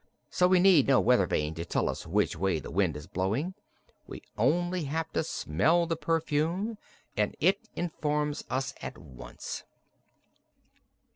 So we need no weathervane to tell us which way the wind is blowing. We have only to smell the perfume and it informs us at once."